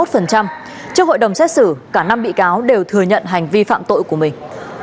trước hội đồng xét xử cả năm bị cáo đều thừa nhận hành vi phạm tội của mình